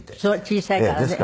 小さいからね。